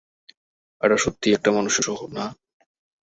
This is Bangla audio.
এটা সত্যিই একটা মানুষের শহর, না?